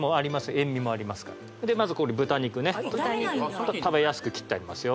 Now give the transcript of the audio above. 塩味もありますからまずこれ豚肉ね食べやすく切ってありますよ